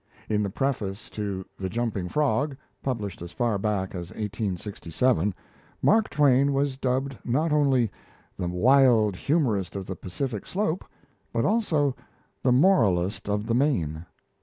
In the preface to the Jumping Frog, published as far back as 1867, Mark Twain was dubbed, not only "the wild humorist of the Pacific slope," but also "the moralist of the Main."